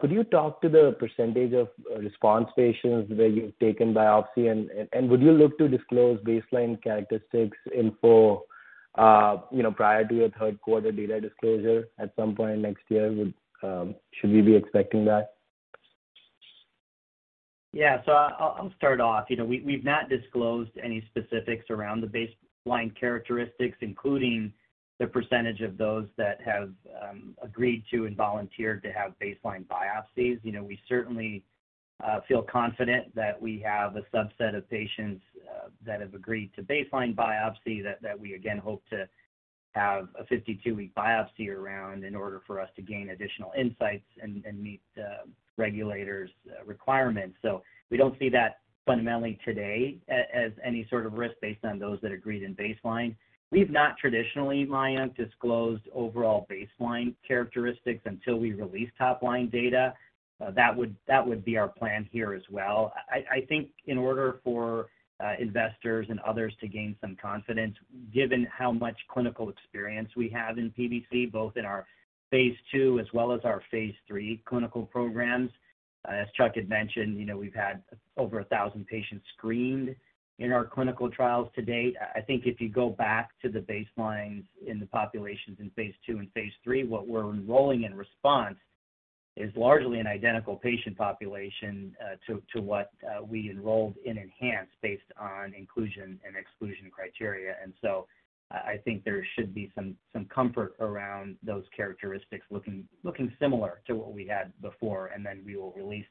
Could you talk to the percentage of RESPONSE patients where you've taken biopsy and would you look to disclose baseline characteristics info, you know, prior to your Q3 data disclosure at some point next year? Should we be expecting that?
I'll start off. You know, we've not disclosed any specifics around the baseline characteristics, including the percentage of those that have agreed to and volunteered to have baseline biopsies. You know, we certainly feel confident that we have a subset of patients that have agreed to baseline biopsy that we again hope to have a 52-week biopsy around in order for us to gain additional insights and meet regulators' requirements. We don't see that fundamentally today as any sort of risk based on those that agreed in baseline. We've not traditionally, Mayank, disclosed overall baseline characteristics until we release top-line data. That would be our plan here as well. I think in order for investors and others to gain some confidence, given how much clinical experience we have in PBC, both in our phase II as well as our phase III clinical programs, as Chuck had mentioned, you know, we've had over 1,000 patients screened in our clinical trials to date. I think if you go back to the baselines in the populations in phase II and phase III, what we're enrolling in RESPONSE is largely an identical patient population to what we enrolled in ENHANCE based on inclusion and exclusion criteria. I think there should be some comfort around those characteristics looking similar to what we had before, and then we will release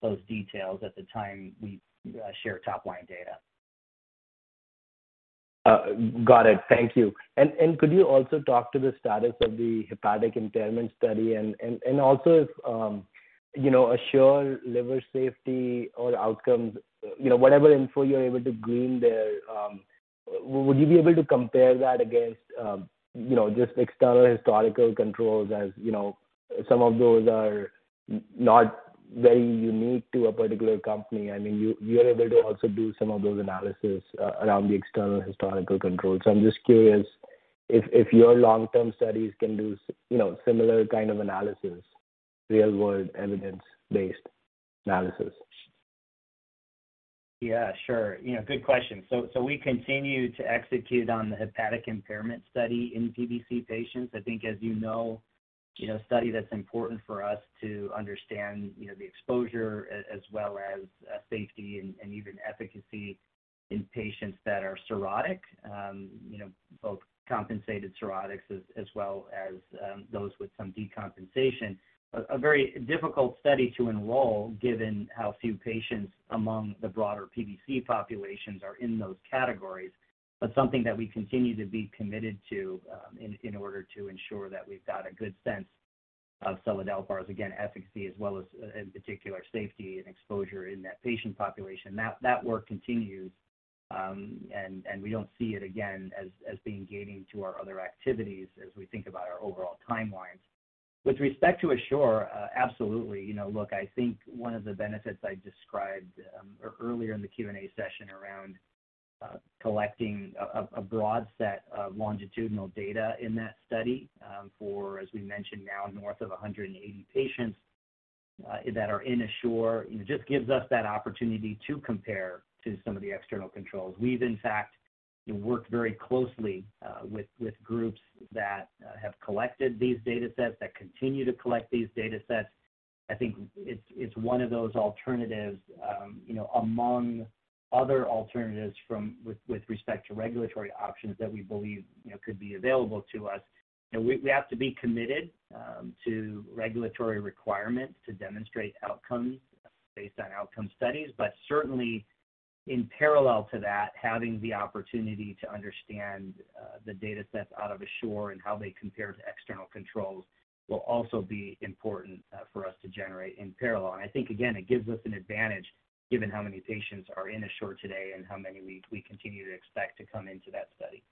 those details at the time we share top-line data.
Got it. Thank you. Could you also talk to the status of the hepatic impairment study and also if, you know, ASSURE liver safety or outcomes, you know, whatever info you're able to glean there, would you be able to compare that against, you know, just external historical controls? As you know, some of those are not very unique to a particular company. I mean, you are able to also do some of those analysis around the external historical controls. I'm just curious if your long-term studies can do similar kind of analysis, real-world evidence-based analysis.
Yeah, sure. You know, good question. We continue to execute on the hepatic impairment study in PBC patients. I think as you know, you know, a study that's important for us to understand, you know, the exposure as well as, safety and even efficacy in patients that are cirrhotic, you know, both compensated cirrhotics as well as, those with some decompensation. A very difficult study to enroll given how few patients among the broader PBC populations are in those categories, but something that we continue to be committed to, in order to ensure that we've got a good sense of seladelpar's, again, efficacy as well as, in particular safety and exposure in that patient population. That work continues, and we don't see it again as being gating to our other activities as we think about our overall timelines. With respect to ASSURE, absolutely. You know, look, I think one of the benefits I described earlier in the Q&A session around collecting a broad set of longitudinal data in that study, for, as we mentioned now, north of 180 patients that are in ASSURE, it just gives us that opportunity to compare to some of the external controls. We've in fact worked very closely with groups that have collected these datasets that continue to collect these datasets. I think it's one of those alternatives, you know, among other alternatives with respect to regulatory options that we believe, you know, could be available to us. You know, we have to be committed to regulatory requirements to demonstrate outcomes based on outcome studies. Certainly in parallel to that, having the opportunity to understand the datasets out of ASSURE and how they compare to external controls will also be important for us to generate in parallel. I think again, it gives us an advantage given how many patients are in ASSURE today and how many we continue to expect to come into that study.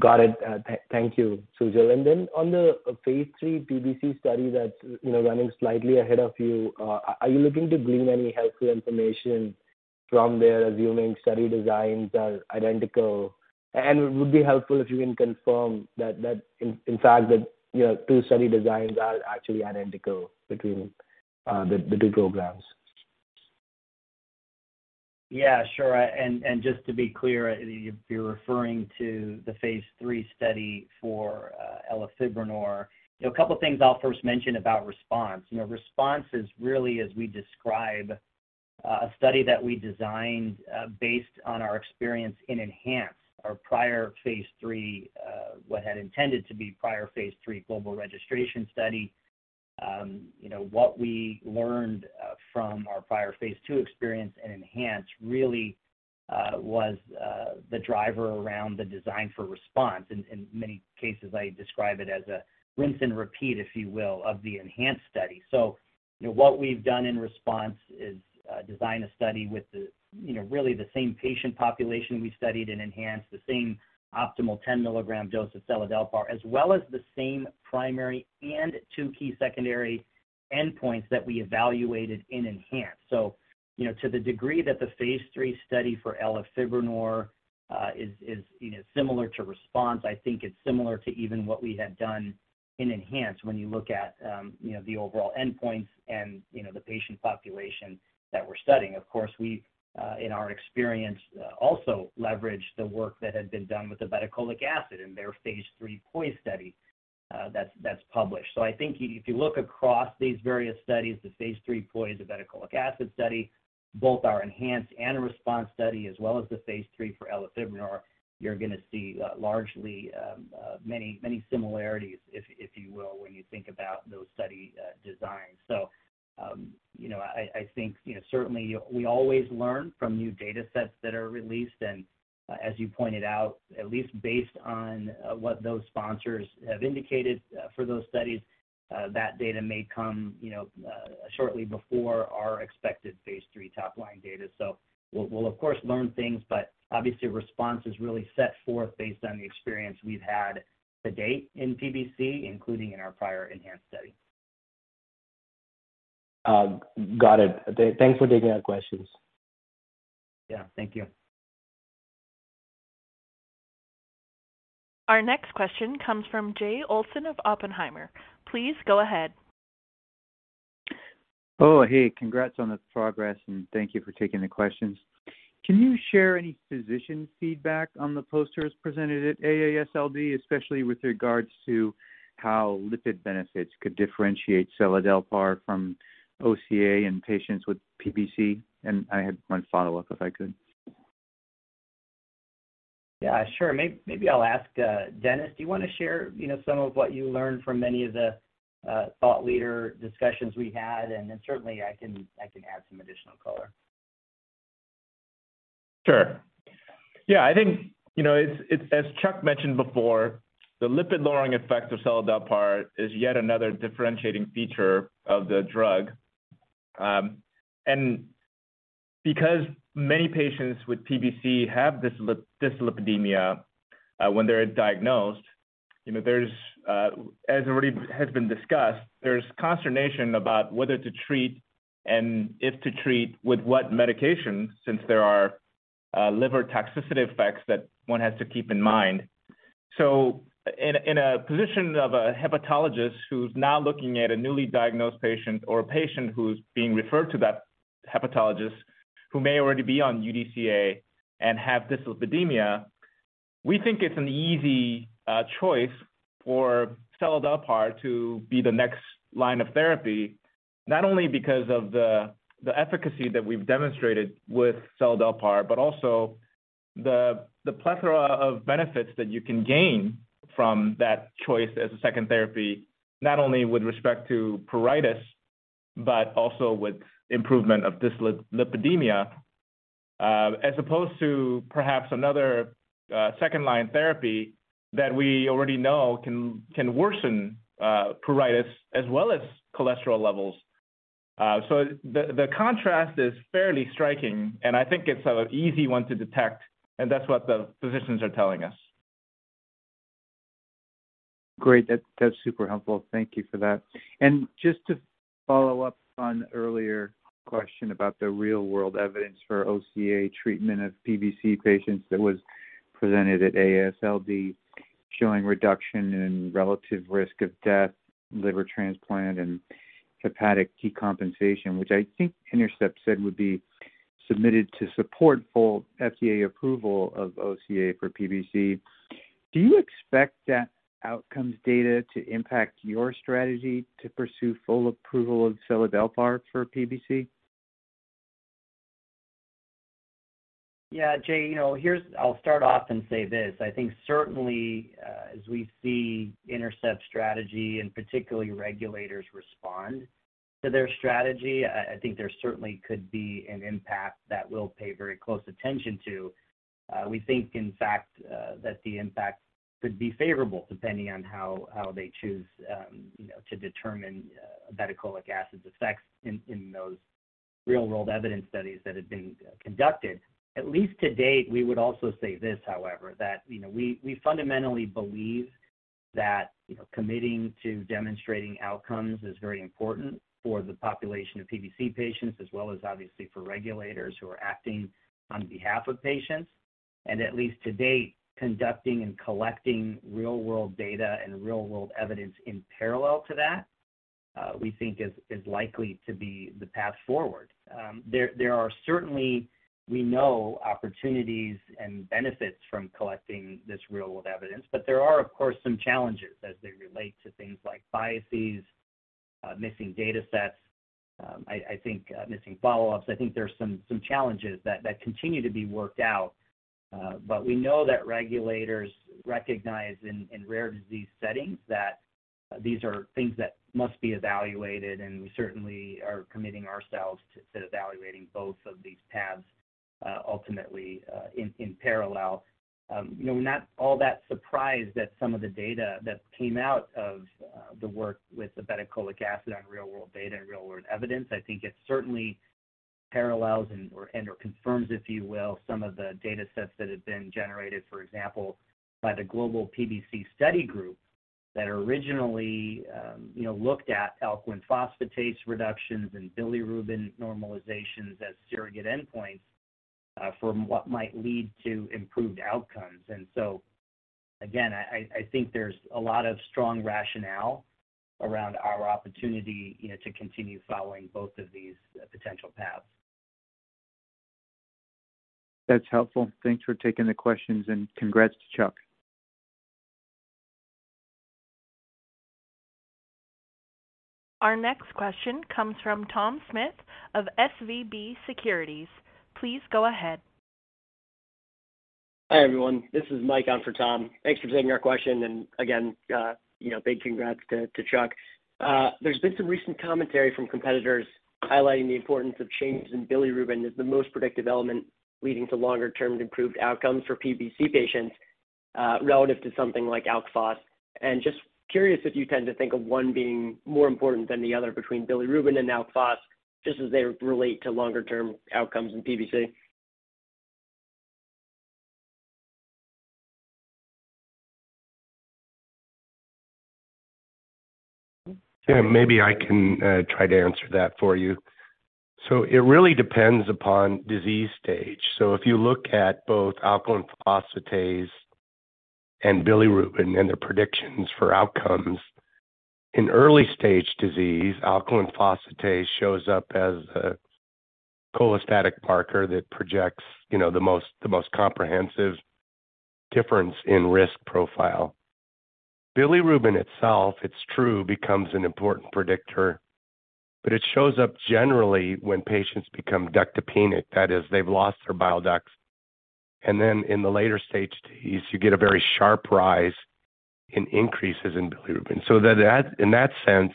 Got it. Thank you, Sujal. Then on the phase 3 PBC study that's, you know, running slightly ahead of you, are you looking to glean any helpful information from there, assuming study designs are identical? It would be helpful if you can confirm that, in fact, the, you know, two study designs are actually identical between the two programs.
Yeah, sure. Just to be clear, you're referring to the phase 3 study for elafibranor. A couple of things I'll first mention about RESPONSE. You know, RESPONSE is really, as we describe, a study that we designed, based on our experience in ENHANCE our prior phase 3, what had intended to be prior phase 3 global registration study. You know, what we learned, from our prior phase 2 experience in ENHANCE really, was the driver around the design for RESPONSE. In many cases, I describe it as a rinse and repeat, if you will, of the ENHANCE study. you know, what we've done in RESPONSE is design a study with the you know, really the same patient population we studied in ENHANCE, the same optimal 10-milligram dose of seladelpar, as well as the same primary and two key secondary endpoints that we evaluated in ENHANCE. you know, to the degree that the phase 3 study for elafibranor is you know, similar to RESPONSE, I think it's similar to even what we had done in ENHANCE when you look at you know, the overall endpoints and you know, the patient population that we're studying. Of course, we've in our experience also leveraged the work that had been done with the obeticholic acid in their phase 3 POISE study that's published. I think if you look across these various studies, the phase 3 POISE, the obeticholic acid study, both our ENHANCE and RESPONSE study, as well as the phase 3 for elafibranor, you're going to see largely many similarities, if you will, when you think about those study designs. You know, I think, you know, certainly we always learn from new datasets that are released. As you pointed out, at least based on what those sponsors have indicated for those studies, that data may come, you know, shortly before our expected phase 3 top-line data. We'll of course learn things, but obviously RESPONSE is really set forth based on the experience we've had to date in PBC, including in our prior ENHANCE study.
Got it. Thanks for taking our questions.
Yeah. Thank you.
Our next question comes from Jay Olson of Oppenheimer. Please go ahead.
Congrats on the progress, and thank you for taking the questions. Can you share any physician feedback on the posters presented at AASLD, especially with regards to how lipid benefits could differentiate seladelpar from OCA in patients with PBC? I had one follow-up, if I could.
Yeah, sure. Maybe I'll ask Dennis, do you want to share, you know, some of what you learned from any of the thought leader discussions we had? Then certainly I can add some additional color.
Sure. Yeah, I think, you know, it's as Chuck mentioned before, the lipid-lowering effect of seladelpar is yet another differentiating feature of the drug. Because many patients with PBC have dyslipidemia, when they're diagnosed, you know, there's, as already has been discussed, there's consternation about whether to treat and if to treat with what medication since there are liver toxicity effects that one has to keep in mind. In a position of a hepatologist who's now looking at a newly diagnosed patient or a patient who's being referred to that hepatologist who may already be on UDCA and have dyslipidemia, we think it's an easy choice for seladelpar to be the next line of therapy, not only because of the efficacy that we've demonstrated with seladelpar, but also the plethora of benefits that you can gain from that choice as a second therapy, not only with respect to pruritus, but also with improvement of dyslipidemia, as opposed to perhaps another second-line therapy that we already know can worsen pruritus as well as cholesterol levels. The contrast is fairly striking, and I think it's an easy one to detect, and that's what the physicians are telling us.
Great. That's super helpful. Thank you for that. Just to follow up on earlier question about the real-world evidence for OCA treatment of PBC patients that was presented at AASLD showing reduction in relative risk of death, liver transplant, and hepatic decompensation, which I think Intercept said would be submitted to support full FDA approval of OCA for PBC. Do you expect that outcomes data to impact your strategy to pursue full approval of seladelpar for PBC?
Yeah, Jay, you know, I'll start off and say this. I think certainly, as we see Intercept's strategy and particularly regulators respond to their strategy, I think there certainly could be an impact that we'll pay very close attention to. We think, in fact, that the impact could be favorable depending on how they choose, you know, to determine, obeticholic acid's effects in those real-world evidence studies that have been conducted. At least to date, we would also say this, however, that, you know, we fundamentally believe that, you know, committing to demonstrating outcomes is very important for the population of PBC patients, as well as obviously for regulators who are acting on behalf of patients. At least to date, conducting and collecting real-world data and real-world evidence in parallel to that, we think is likely to be the path forward. There are certainly, we know, opportunities and benefits from collecting this real world evidence, but there are, of course, some challenges as they relate to things like biases, missing datasets, I think, missing follow-ups. I think there's some challenges that continue to be worked out. But we know that regulators recognize in rare disease settings that these are things that must be evaluated, and we certainly are committing ourselves to evaluating both of these paths, ultimately, in parallel. You know, we're not all that surprised that some of the data that came out of the work with obeticholic acid on real world data and real world evidence. I think it certainly parallels and/or confirms, if you will, some of the datasets that have been generated, for example, by the Global PBC Study Group that originally, you know, looked at alkaline phosphatase reductions and bilirubin normalizations as surrogate endpoints from what might lead to improved outcomes. Again, I think there's a lot of strong rationale around our opportunity, you know, to continue following both of these potential paths.
That's helpful. Thanks for taking the questions, and congrats to Chuck.
Our next question comes from Tom Smith of SVB Securities. Please go ahead.
Hi, everyone. This is Mike on for Tom. Thanks for taking our question. Again, you know, big congrats to Chuck. There's been some recent commentary from competitors highlighting the importance of changes in bilirubin as the most predictive element leading to longer-term improved outcomes for PBC patients, relative to something like alk phos. Just curious if you tend to think of one being more important than the other between bilirubin and alk phos, just as they relate to longer-term outcomes in PBC.
Yeah, maybe I can try to answer that for you. It really depends upon disease stage. If you look at both alkaline phosphatase and bilirubin and their predictions for outcomes, in early-stage disease, alkaline phosphatase shows up as a cholestatic marker that projects, you know, the most comprehensive difference in risk profile. Bilirubin itself, it's true, becomes an important predictor, but it shows up generally when patients become ductopenic, that is, they've lost their bile ducts. Then in the later stage disease, you get a very sharp rise in increases in bilirubin. That in that sense,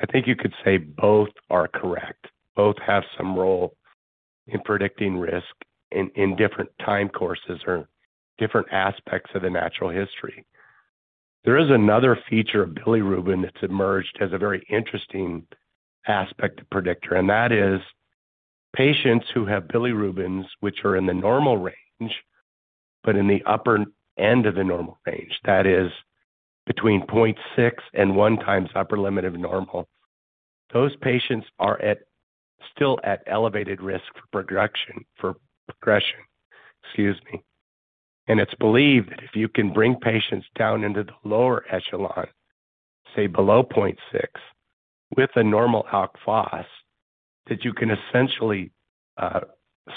I think you could say both are correct. Both have some role in predicting risk in different time courses or different aspects of the natural history. There is another feature of bilirubin that's emerged as a very interesting aspect of predictor, and that is patients who have bilirubins which are in the normal range, but in the upper end of the normal range, that is between 0.6 and 1 times upper limit of normal. Those patients are still at elevated risk for progression. Excuse me. It's believed that if you can bring patients down into the lower echelon, say below 0.6, with a normal alk phos, that you can essentially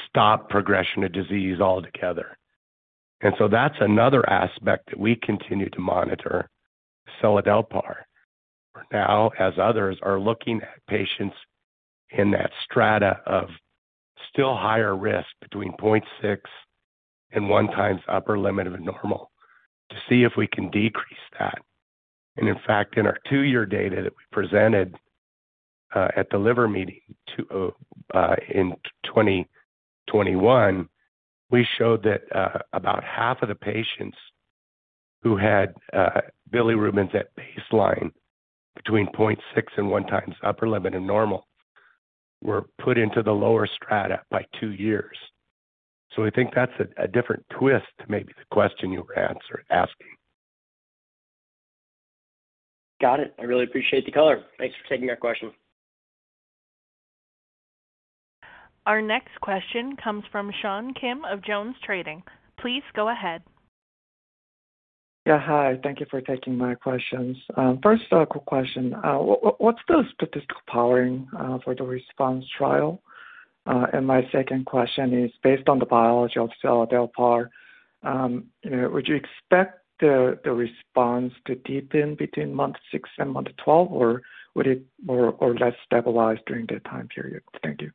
stop progression of disease altogether. That's another aspect that we continue to monitor seladelpar. Now, as others are looking at patients in that strata of still higher risk between 0.6 and 1 times upper limit of normal to see if we can decrease that. In fact, in our two-year data that we presented at the liver meeting in 2021, we showed that about half of the patients who had bilirubins at baseline between 0.6 and 1 times upper limit of normal were put into the lower strata by two years. I think that's a different twist to maybe the question you were asking.
Got it. I really appreciate the color. Thanks for taking our question.
Our next question comes from Sean Kim of JonesTrading. Please go ahead.
Yeah, hi. Thank you for taking my questions. First, quick question. What's the statistical powering for the RESPONSE trial? And my second question is, based on the biology of seladelpar, you know, would you expect the response to deepen between month 6 and month 12, or would it more or less stabilize during that time period? Thank you.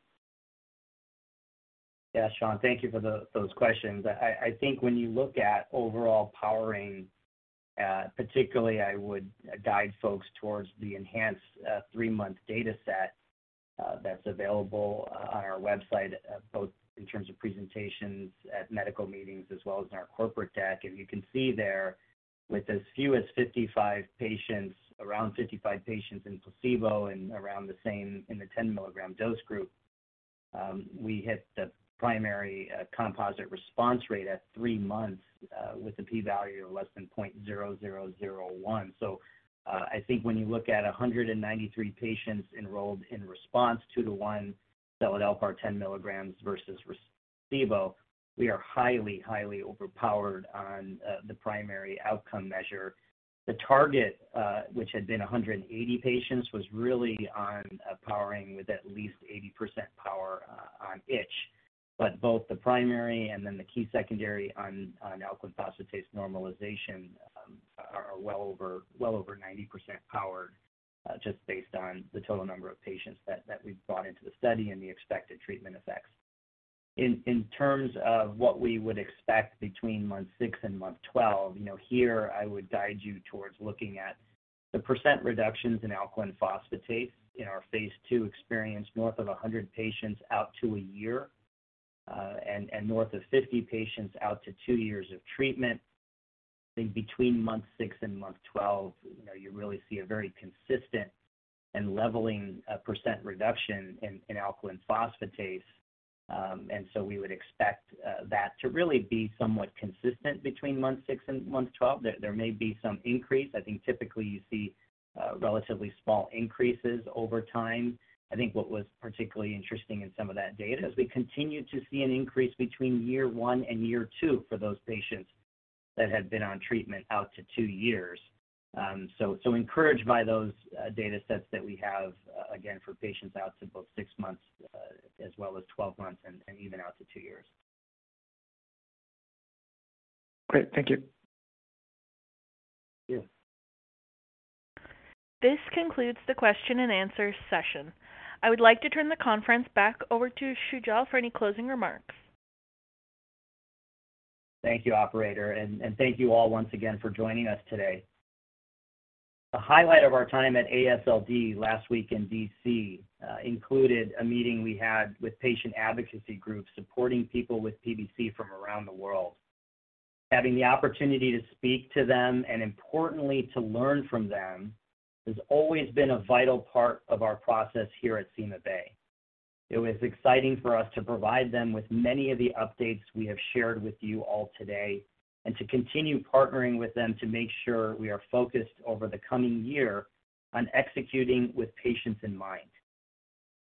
Yeah, Sean, thank you for those questions. I think when you look at overall powering, particularly I would guide folks towards the ENHANCE three-month dataset that's available on our website, both in terms of presentations at medical meetings as well as in our corporate deck. You can see there with as few as 55 patients, around 55 patients in placebo and around the same in the 10-mg dose group, we hit the primary composite response rate at three months with a P value of less than 0.0001. I think when you look at 193 patients enrolled in RESPONSE, the 1 seladelpar 10 mg versus placebo, we are highly overpowered on the primary outcome measure. The target, which had been 180 patients, was really on powering with at least 80% power on itch. Both the primary and then the key secondary on alkaline phosphatase normalization are well over 90% powered, just based on the total number of patients that we've brought into the study and the expected treatment effects. In terms of what we would expect between month 6 and month 12, you know, here I would guide you towards looking at the % reductions in alkaline phosphatase in our phase 2 experience, north of 100 patients out to 1 year, and north of 50 patients out to 2 years of treatment. I think between month 6 and month 12, you know, you really see a very consistent and leveling % reduction in alkaline phosphatase. We would expect that to really be somewhat consistent between month 6 and month 12. There may be some increase. I think typically you see relatively small increases over time. I think what was particularly interesting in some of that data is we continued to see an increase between year 1 and year 2 for those patients that had been on treatment out to 2 years. Encouraged by those data sets that we have, again, for patients out to both 6 months as well as 12 months and even out to 2 years.
Great. Thank you.
Yeah.
This concludes the question and answer session. I would like to turn the conference back over to Sujal for any closing remarks.
Thank you, operator, and thank you all once again for joining us today. The highlight of our time at AASLD last week in D.C. included a meeting we had with patient advocacy groups supporting people with PBC from around the world. Having the opportunity to speak to them, and importantly, to learn from them, has always been a vital part of our process here at CymaBay. It was exciting for us to provide them with many of the updates we have shared with you all today, and to continue partnering with them to make sure we are focused over the coming year on executing with patients in mind.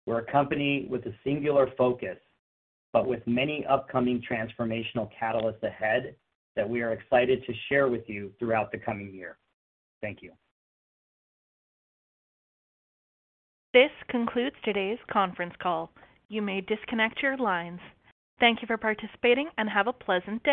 We're a company with a singular focus, but with many upcoming transformational catalysts ahead that we are excited to share with you throughout the coming year. Thank you.
This concludes today's conference call. You may disconnect your lines. Thank you for participating, and have a pleasant day.